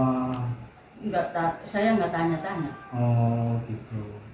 saya gak tanya tanya